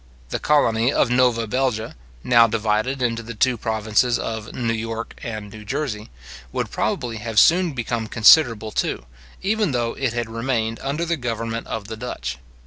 The colony of Nova Belgia, now divided into the two provinces of New York and New Jersey, would probably have soon become considerable too, even though it had remained under the government of the Dutch.